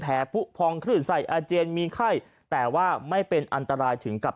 ผู้พองคลื่นไส้อาเจียนมีไข้แต่ว่าไม่เป็นอันตรายถึงกับ